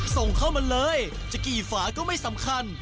ส่งเข้ามาเลยจะกี่ฝาก็ไม่สำคัญ